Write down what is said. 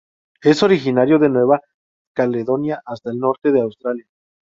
Es originario de Nueva Caledonia hasta el norte de Australia.